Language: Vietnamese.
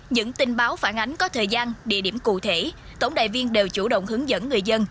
những tin báo phản ánh có thời gian địa điểm cụ thể tổng đại viên đều chủ động hướng dẫn người dân